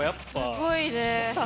すごいね。